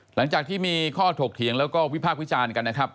หลังจากที่มีข้อถกเถียงแล้วก็วิพากษ์วิจารณ์กันนะครับ